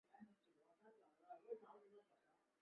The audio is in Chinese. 杜埃钟楼是法国北部大区城市杜埃的一座历史建筑。